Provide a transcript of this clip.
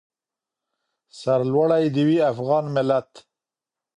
سرلوړی دې وي افغان ملت.